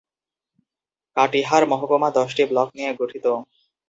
কাটিহার মহকুমা দশটি ব্লক নিয়ে গঠিত।